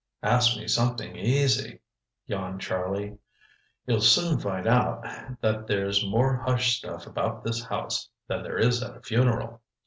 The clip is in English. "Ask me something easy," yawned Charlie. "You'll soon find out that there's more hush stuff about this house than there is at a funeral."